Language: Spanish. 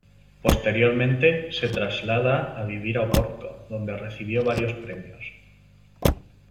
Posteriormente se traslad´a vivir a Oporto, donde recibió varios premios.